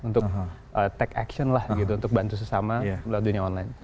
untuk take action lah gitu untuk bantu sesama melalui dunia online